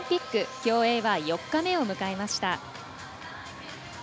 競泳は４日目を迎えました。